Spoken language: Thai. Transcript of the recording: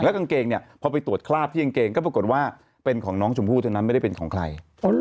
กางเกงเนี่ยพอไปตรวจคราบที่กางเกงก็ปรากฏว่าเป็นของน้องชมพู่เท่านั้นไม่ได้เป็นของใคร